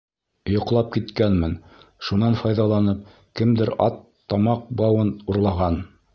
Йоҡлап киткәнмен, шунан файҙаланып, кемдер ат тамаҡбауын урлаған.